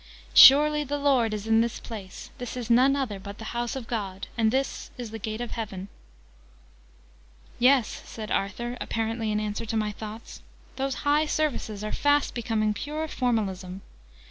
"'Surely the Lord is in this place! This is none other but the house of God, and this is the gate of heaven.'" "Yes," said Arthur, apparently in answer to my thoughts, "those 'high' services are fast becoming pure Formalism.